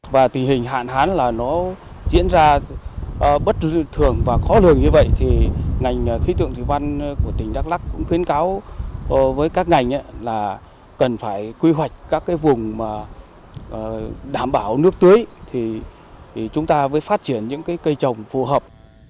và tình hình hạn hán là nó diễn ra bất thường và khó lường như vậy thì ngành khí tượng thủy văn của tỉnh đắk lắc cũng khuyến cáo với các ngành là cần phải quy hoạch các vùng đảm bảo nước tưới thì chúng ta mới phát triển những cây trồng phù hợp